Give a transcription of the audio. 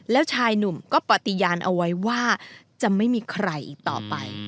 แล้วชายหนุ่มก็ปฏิญาณเอาไว้ว่าจะไม่มีใครอีกต่อไป